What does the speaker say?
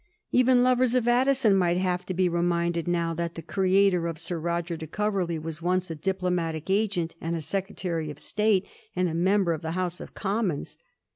Even lovers of Addison might have to he reminded now that the creator of Sir Roger de Coverley was once a diplo matic agent, and a secretary of state, and a member of the House of Commons.